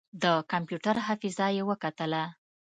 د کمپيوټر حافظه يې وکتله.